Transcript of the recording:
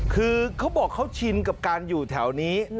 คือเขาบอกเขาชินกับการอยู่แถวนี้